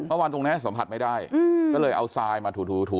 วันตรงนี้สัมผัสไม่ได้ก็เลยเอาทรายมาถูถู